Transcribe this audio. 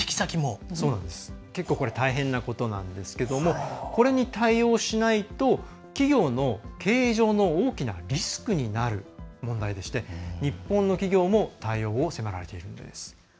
結構大変なことなんですけどこれに対応しないと企業の経営上の大きなリスクになる問題でして日本の企業も対応を迫られているんです。